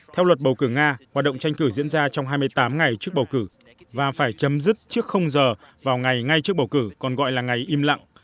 theo luật bầu cử nga hoạt động tranh cử diễn ra trong hai mươi tám ngày trước bầu cử và phải chấm dứt trước giờ vào ngày ngay trước bầu cử còn gọi là ngày im lặng